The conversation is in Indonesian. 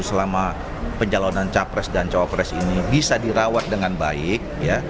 selama pencalonan capres dan cawapres ini bisa dirawat dengan baik